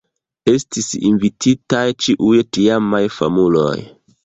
Estis invititaj ĉiuj tiamaj famuloj.